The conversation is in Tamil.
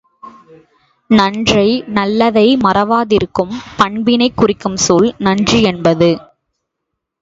நன்றை நல்லதை மறவாதிருக்கும் பண்பினைக் குறிக்கும் சொல் நன்றி என்பது.